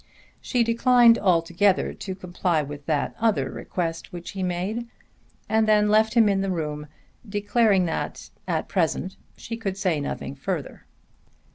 She declined altogether to comply with that other request which he made, and then left him in the room declaring that at present she could say nothing further.